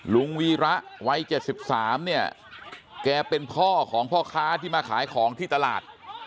วีระวัย๗๓เนี่ยแกเป็นพ่อของพ่อค้าที่มาขายของที่ตลาด